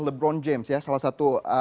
lebron james salah satu